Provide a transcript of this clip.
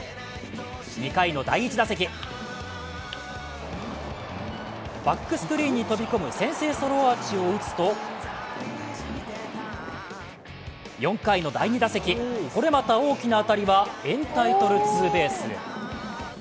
２回の第１打席バックスクリーンに飛び込む先制ソロアーチを打つと４回の第２打席、これまた大きな当たりはエンタイトルツーベース。